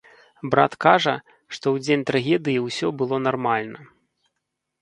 Брат кажа, што ў дзень трагедыі ўсё было нармальна.